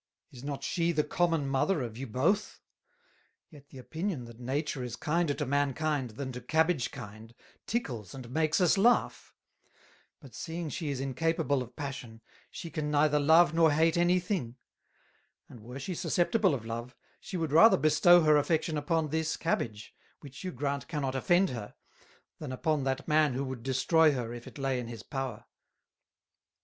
Is not she the common Mother of you both? Yet the Opinion that Nature is kinder to Mankind, than to Cabbage kind, tickles and makes us laugh: But seeing she is incapable of Passion, she can neither love nor hate any thing; and were she susceptible of Love, she would rather bestow her affection upon this Cabbage, which you grant cannot offend her, than upon that Man who would destroy her, if it lay in his power.